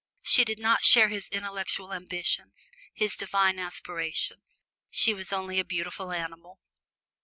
She did not share his intellectual ambitions, his divine aspiration: she was only a beautiful animal.